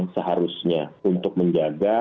seharusnya untuk menjaga